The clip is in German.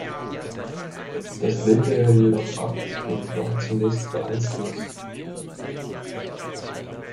Das lehnte er jedoch ab und war zunächst vereinslos.